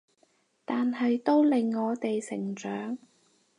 但係都令我哋成長